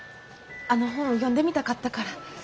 あの本読んでみたかったから。